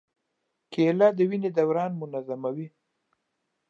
کېله د وینې دوران منظموي.